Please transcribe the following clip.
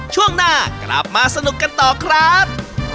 ช่วงหน้ากลับมาสนุกกันต่อครับ